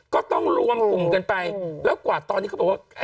ก็ต้องรวมกลุ่มกันไปแล้วกว่าตอนนี้เขาบอกว่า